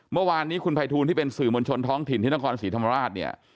เมื่อวานนี้คุณภัยทูลที่เป็นสื่อมวลชนท้องถิ่นที่นครศรีธรรมราชเนี่ย